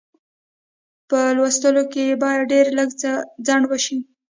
په لوستلو کې یې باید ډېر لږ ځنډ وشي.